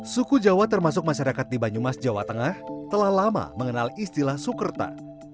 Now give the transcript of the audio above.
suku jawa termasuk masyarakat di banyumas jawa tengah telah lama mengenal istilah sukerta